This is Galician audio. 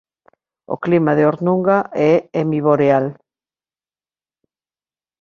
O clima de Ornunga é hemiboreal.